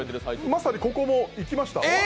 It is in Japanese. まさにここも行きました。